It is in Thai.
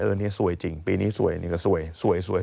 เออนี่ซวยจริงปีนี้ซวยนี่ก็ซวย